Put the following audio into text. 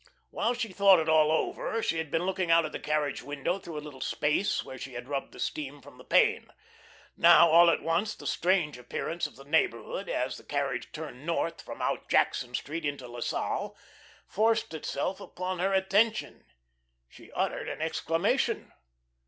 While she thought it all over she had been looking out of the carriage window through a little space where she had rubbed the steam from the pane. Now, all at once, the strange appearance of the neighbourhood as the carriage turned north from out Jackson Street into La Salle, forced itself upon her attention. She uttered an exclamation.